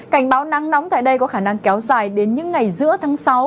cảnh báo nắng nóng tại đây có khả năng kéo dài đến những ngày giữa tháng sáu